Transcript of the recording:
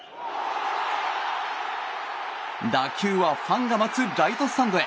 打球はファンが待つライトスタンドへ。